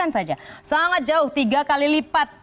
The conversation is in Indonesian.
saja sangat jauh tiga kali lipat